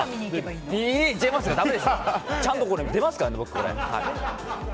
ちゃんと出ますからね、僕。